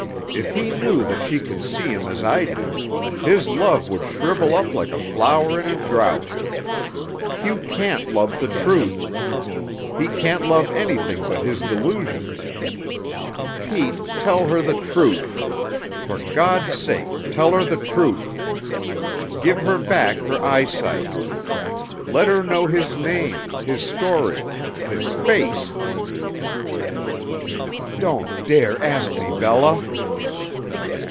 If he knew that she could see him as I do, his love would shrivel up like a flower in a drought. Hugh can't love the truth. He can't love anything but his delusions. Pete, tell her the truth. For God's sake, tell her the truth. Give her back her eyesight. Let her know his name, his story his face!" "Don't dare ask me, Bella!"